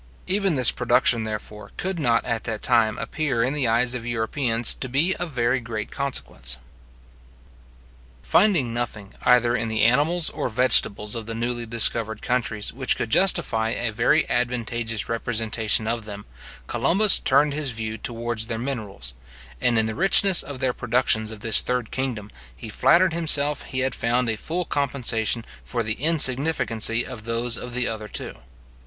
Even this production, therefore, could not at that time appear in the eyes of Europeans to be of very great consequence. Finding nothing, either in the animals or vegetables of the newly discovered countries which could justify a very advantageous representation of them, Columbus turned his view towards their minerals; and in the richness of their productions of this third kingdom, he flattered himself he had found a full compensation for the insignificancy of those of the other two.